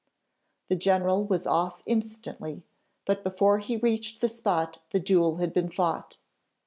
The general was off instantly, but before he reached the spot the duel had been fought.